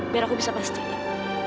biar aku bisa pastikan